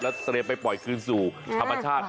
เตรียมไปปล่อยคืนสู่ธรรมชาติ